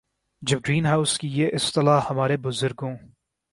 جب greenhouse کی یہ اصطلاح ہمارے بزرگوں